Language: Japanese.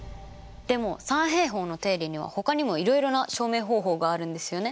でも三平方の定理にはほかにもいろいろな証明方法があるんですよねマスター。